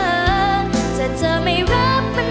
ถูกเขาทำร้ายเพราะใจเธอแบกรับมันเอง